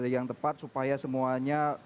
yang tepat supaya semuanya